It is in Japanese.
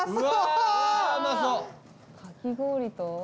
かき氷と？